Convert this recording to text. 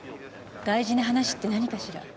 大事な話って何かしら？